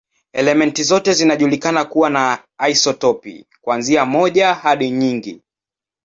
Elementi zote zinajulikana kuwa na isotopi, kuanzia moja hadi nyingi.